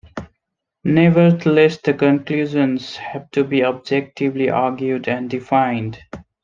Nevertheless the conclusions have to be objectively argued and defined.